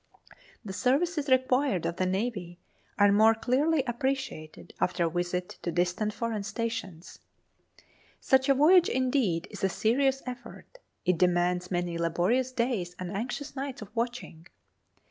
The services required of the Navy are more clearly appreciated after a visit to distant foreign stations. Such a voyage is, indeed, a serious effort. It demands many laborious days and anxious nights of watching.